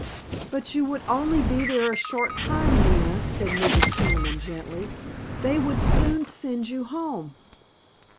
"But you would only be there a short time, Nina," said Mrs. Peniman gently; "they would soon send you home."